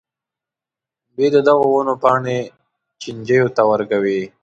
دوی د دغو ونو پاڼې چینجیو ته ورکوي.